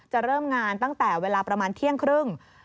เริ่มงานตั้งแต่เวลาประมาณเที่ยงครึ่ง